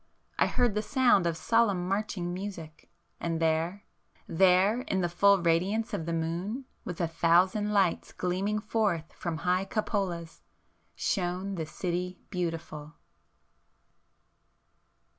I heard the sound of solemn marching music, and there,—there in the full radiance of the moon, with a thousand lights gleaming forth from high cupolas, shone the 'City Beautiful'!